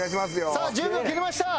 さあ１０秒切りました。